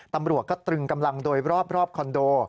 ตำรวจก็ตรึงกำลังโดยรอบคอนโด